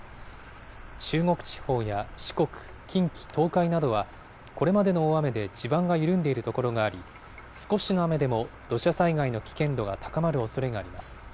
中国地方や四国、近畿、東海などはこれまでの大雨で地盤が緩んでいる所があり、少しの雨でも土砂災害の危険度が高まるおそれがあります。